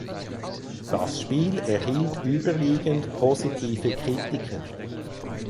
Das Spiel erhielt überwiegend positive Kritiken.